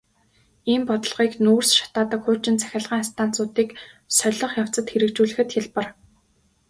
Ийм бодлогыг нүүрс шатаадаг хуучин цахилгаан станцуудыг солих явцад хэрэгжүүлэхэд хялбар.